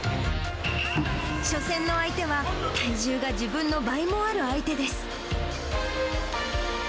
初戦の相手は、体重が自分の倍もある相手です。